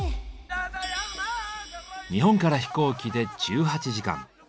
日本から飛行機で１８時間。